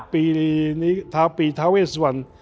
ปีท้าเวสวัน